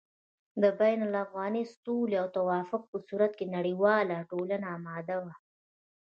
د بين الافغاني سولې او توافق په صورت کې نړېواله ټولنه اماده وه